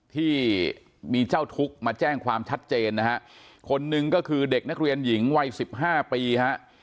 ที่มีเจ้าทุกข์มาแจ้งความชัดเจนนะฮะคนหนึ่งก็คือเด็กนักเรียนหญิงวัยสิบห้าปีฮะ